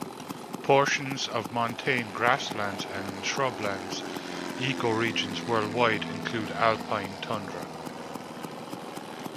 Portions of montane grasslands and shrublands ecoregions worldwide include alpine tundra.